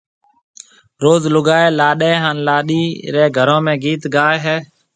روز لوگائيَ لاڏَي ھان لاڏِي رَي گھرون ۾ گيت گائيَ ھيََََ